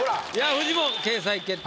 フジモン掲載決定